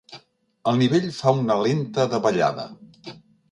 El nivell fa una lenta davallada.